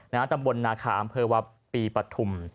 นะครับตำบลนาขาอำเภอวะปีปทุม